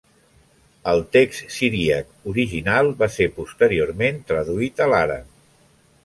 El text siríac original va ser posteriorment traduït a l'àrab.